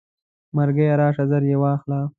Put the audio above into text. مرګیه راشه زر یې واخله.